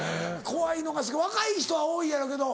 怖いのが好き若い人は多いやろけど。